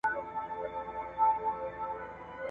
ملګرتیا او دوستي د لوبو له لارې رامنځته کېږي.